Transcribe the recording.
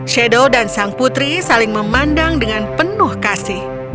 shadow dan sang putri saling memandang dengan penuh kasih